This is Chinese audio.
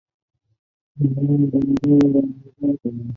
本亚科物种的阴茎包皮均有包皮腺。